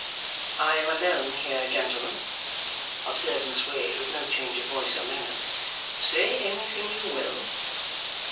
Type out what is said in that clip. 'I am alone here, gentlemen,' observed Miss Wade, with no change of voice or manner. 'Say anything you will.